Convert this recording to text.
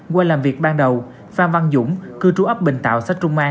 qua làm việc ban đầu phan văn dũng cư trú ấp bình tạo xã trung an